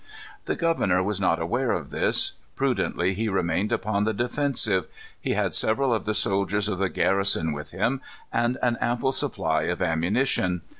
The governor was not aware of this. Prudently he remained upon the defensive. He had several of the soldiers of the garrison with him, and an ample supply of ammunition.